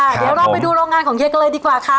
เดี๋ยวเราไปดูโรงงานของเย้กันเลยดีกว่าค่ะ